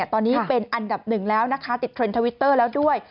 ตอนนี้เป็นอันดับหนึ่งแล้วนะคะติดเทรนด์ทวิตเตอร์แล้วด้วย